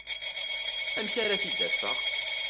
Amek ara t-id-afeɣ?